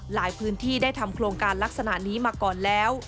พื้นที่ได้ทำโครงการลักษณะนี้มาก่อนแล้ว